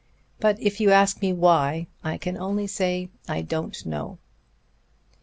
But if you ask me why, I can only say I don't know."